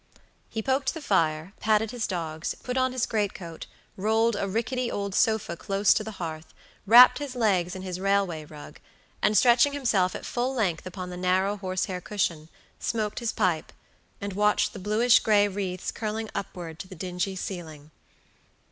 He poked the fire, patted his dogs, put on his great coat, rolled a rickety old sofa close to the hearth, wrapped his legs in his railway rug, and stretching himself at full length upon the narrow horsehair cushion, smoked his pipe, and watched the bluish gray wreaths curling upward to the dingy ceiling.